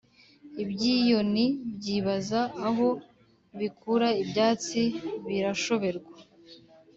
ibyiyoni byibaza aho bikura ibyatsi birashoberwa.